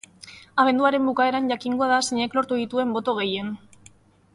Abenduaren bukaeran jakingo da zeinek lortu dituen boto gehien.